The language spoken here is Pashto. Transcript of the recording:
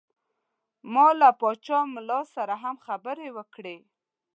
ما له پاچا ملا سره هم خبرې وکړې.